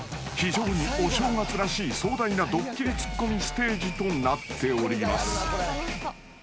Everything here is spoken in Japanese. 非常にお正月らしい壮大なドッキリツッコミステージとなっております］